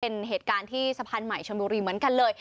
เป็นเหตุการณ์ที่สะพานใหม่ชนบุรีเหมือนกันเลย